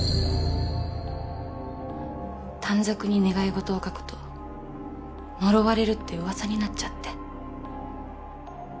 短冊に願い事を書くと呪われるって噂になっちゃって。